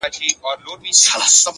هوښیار انتخاب راتلونکی اسانه کوي,